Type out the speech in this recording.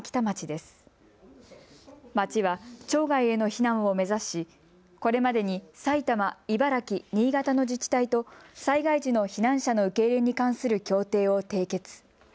町は町外への避難を目指しこれまでに埼玉、茨城、新潟の自治体と災害時の避難者の受け入れに関する協定を締結。